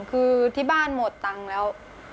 คือที่บ้านหมดตังค์แล้ว